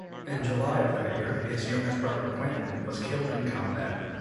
In July of that year, his youngest brother Quentin was killed in combat.